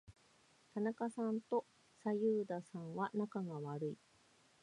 田中さんと左右田さんは仲が悪い。